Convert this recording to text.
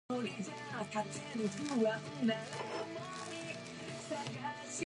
The flight is strong and direct.